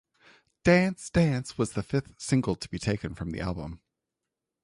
"Dance Dance" was the fifth single to be taken from the album.